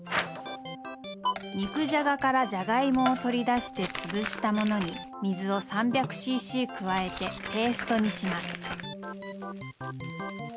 肉じゃがからジャガイモを取り出して潰したものに水を３００シーシー加えてペーストにします。